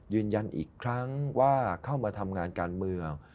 ยืนยันอีกครั้งว่าเข้ามาทำงานการเมือง